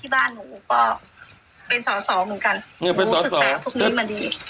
ว่าที่บ้านหนูก็เป็นสอเหมือนกัน